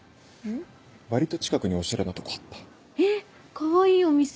かわいいお店。